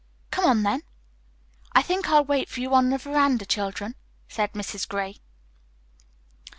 "Come on, then." "I think I'll wait for you on the veranda, children," said Mrs. Gray.